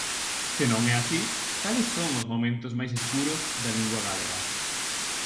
Se non é así, cales son os momentos máis escuros da lingua galega?